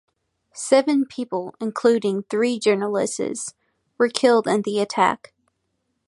Seven people, including three journalists, were killed in the attack.